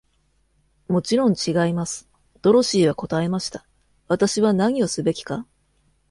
"もちろん違います。"ドロシーは答えました。"私は何をすべきか？"